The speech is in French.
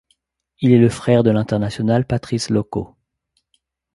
Il est le frère de l'international Patrice Loko.